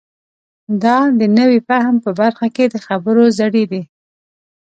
دا د نوي فهم په برخه کې د خبرو زړی دی.